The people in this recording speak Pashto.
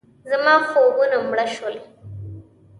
زما خوبونه مړه شول.